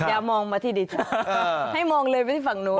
อย่ามองมาที่ดิฉันให้มองเลยไปที่ฝั่งนู้น